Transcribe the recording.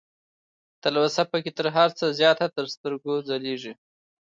تلوسه پکې تر هر څه زياته تر سترګو ځلېږي